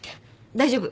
大丈夫。